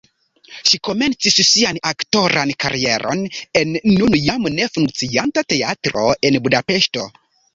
Ŝi komencis sian aktoran karieron en nun jam ne funkcianta teatro en Budapeŝto.